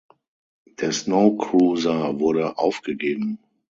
Der Snow Cruiser wurde aufgegeben.